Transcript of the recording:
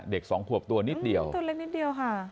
เด็กสองควบตัวนิดเดียวนิดเดียวค่ะ